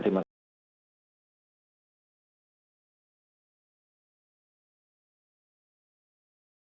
terima kasih pak ferry